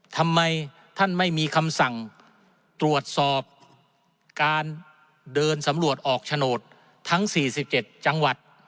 ทำไมท่านไม่มีคำสั่งตรวจสอบการเดินสำรวจออกโฉนดทั้ง๔๗จังหวัด